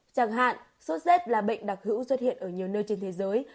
chẳng hạn sốt z là bệnh đặc hữu xuất hiện ở nhiều nơi trên thế giới